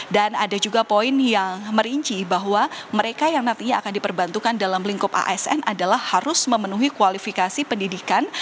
dan ada juga poin yang merinci bahwa mereka yang nantinya akan diperbantukan dalam lingkup asn adalah harus memenuhi kualifikasi pendidikan